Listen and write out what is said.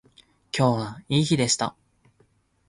今日はいい日でした